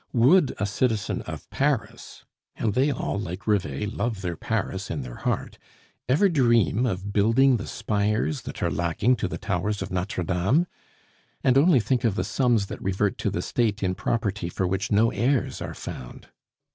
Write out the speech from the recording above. Would a citizen of Paris and they all, like Rivet, love their Paris in their heart ever dream of building the spires that are lacking to the towers of Notre Dame? And only think of the sums that revert to the State in property for which no heirs are found.